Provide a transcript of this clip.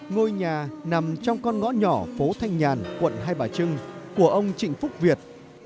ngôi nhà nằm trong con ngõ nhỏ phố thanh nhàn quận hai bà trưng của ông trịnh phúc việt